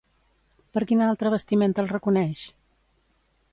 Per quina altra vestimenta el reconeix?